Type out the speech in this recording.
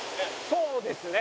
そうですね。